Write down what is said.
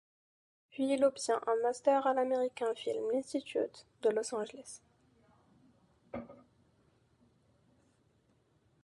Puis il obtient un master à l'American Film Institute de Los Angeles.